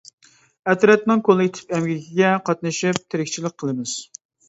ئەترەتنىڭ كوللېكتىپ ئەمگىكىگە قاتنىشىپ تىرىكچىلىك قىلىمىز.